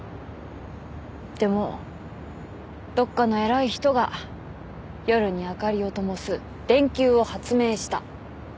でもどっかの偉い人が夜に明かりをともす電球を発明した。